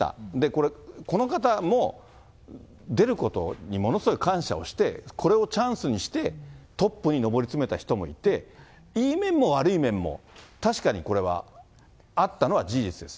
これ、この方も、出ることにものすごい感謝をして、これをチャンスにしてトップに上り詰めた人もいて、いい面も悪い面も、確かにこれはあったのは事実です。